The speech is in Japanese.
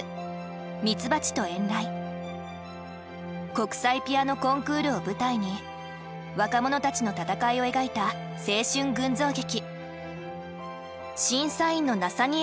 国際ピアノコンクールを舞台に若者たちの闘いを描いた青春群像劇。